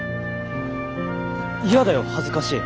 嫌だよ恥ずかしい。